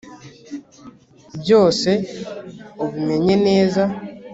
Byose ubimenye neza